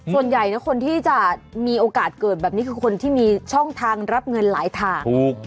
ส่วนใหญ่นะคนที่จะมีโอกาสเกิดแบบนี้คือคนที่มีช่องทางรับเงินหลายทาง